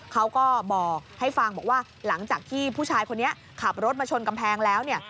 เขาก็บอกให้ฟังบอกว่าหลังจากที่ผู้ชายคนนี้ขับรถมาชนกำแพงแล้วเนี่ย